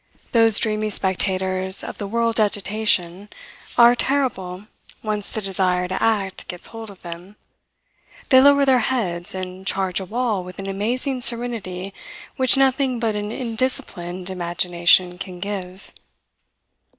Those dreamy spectators of the world's agitation are terrible once the desire to act gets hold of them. They lower their heads and charge a wall with an amazing serenity which nothing but an indisciplined imagination can give.